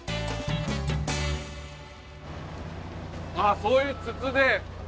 あそういう筒で。